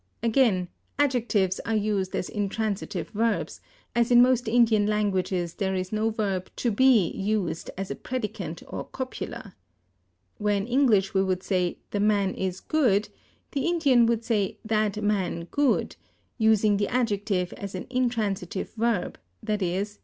Again, adjectives are used as intransitive verbs, as in most Indian languages there is no verb to be used as a predicant or copula. Where in English we would say the man is good, the Indian would say that man good, using the adjective as an intransitive verb, _i.e.